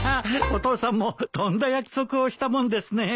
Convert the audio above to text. お父さんもとんだ約束をしたもんですね。